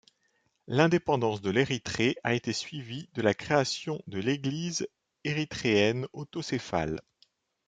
L'indépendance de l'Érythrée a été suivie de la création de l'Église érythréenne autocéphale.